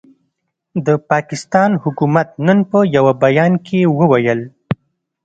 د پاکستان حکومت نن په یوه بیان کې وویل،